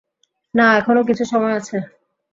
না এখনো কিছু সময় আছে।